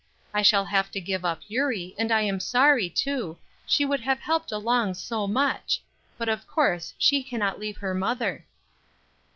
I shall have to give up Eurie, and I am sorry too, she would have helped along so much; but of course she cannot leave her mother."